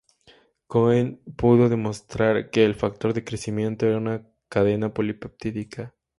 Cohen pudo demostrar que el factor de crecimiento era una cadena polipeptídica.